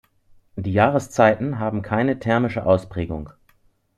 Die Jahreszeiten haben keine thermische Ausprägung.